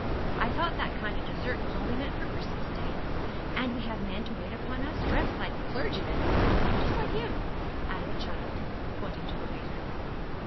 I thought that kind of dessert was only meant for Christmas Day. And we have men to wait upon us, dressed like clergymen, just like him,' added the child, pointing to the waiter.